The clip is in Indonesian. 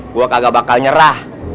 gue kagak bakal nyerah